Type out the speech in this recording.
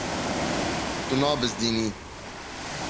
Tu nabizdînî.